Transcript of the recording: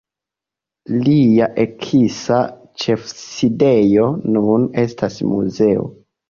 Lia eksa ĉefsidejo nun estas muzeo.